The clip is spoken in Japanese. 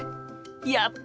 やった！